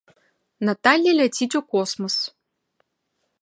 Наталля ляціць у космас.